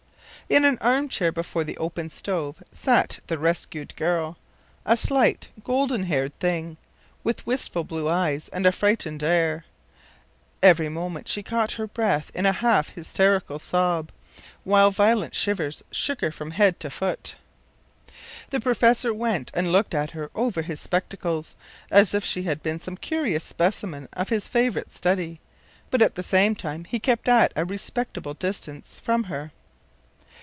In an arm chair before the opened stove sat the rescued girl a slight, golden haired thing, with wistful blue eyes and a frightened air. Every moment she caught her breath in a half hysterical sob, while violent shivers shook her from head to foot. The professor went and looked at her over his spectacles, as if she had been some curious specimen of his favourite study; but at the same time he kept at a respectful distance from her.